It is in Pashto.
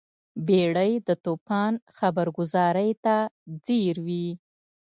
بیړۍ د توپان خبرګذارۍ ته ځیر وي.